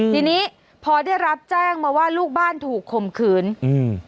ทีนี้พอได้รับแจ้งมาว่าลูกบ้านถูกข่มขืนอืม